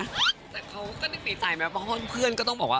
แต่เขาก็นึกดีใจไหมเพราะเพื่อนก็ต้องบอกว่า